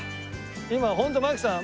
今ホント槙さん